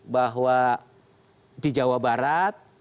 bahwa di jawa barat